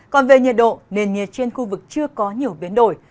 còn về nhiệt độ nền nhiệt trên khu vực chưa có nhiều biến đổi